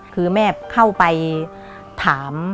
คือแม่เข้าไปถาม